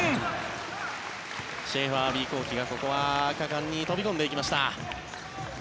シェーファーアヴィ幸樹がここは果敢に飛び込んでいきました。